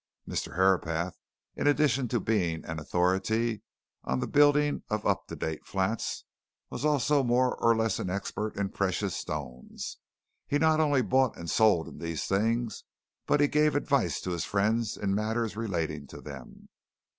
Mr. Herapath, in addition to being an authority on the building of up to date flats, was also more or less of an expert in precious stones. He not only bought and sold in these things, but he gave advice to his friends in matters relating to them.